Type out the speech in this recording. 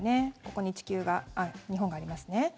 ここに日本がありますね。